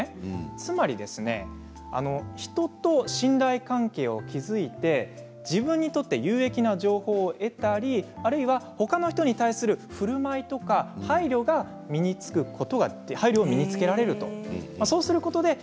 つまり人と信頼関係を築いて自分にとって有益な情報を得たりあるいはほかの人に対するふるまいとか配慮が身につけられるということなんです。